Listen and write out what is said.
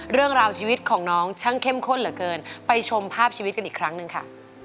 เรื่องราวชีวิตของน้องช่างเข้มข้นเหลือเกินไปชมภาพชีวิตกันอีกครั้งหนึ่งค่ะ